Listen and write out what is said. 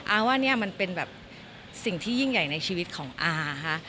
ว่าเนี่ยมันเป็นแบบสิ่งที่ยิ่งใหญ่ในชีวิตของอาค่ะ